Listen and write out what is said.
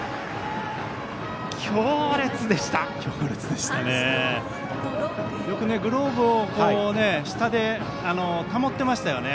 強烈でしたね。